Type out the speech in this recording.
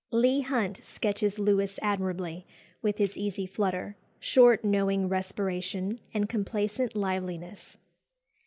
Leigh Hunt sketches Lewis admirably, with his "easy flutter," short knowing respiration, and complacent liveliness.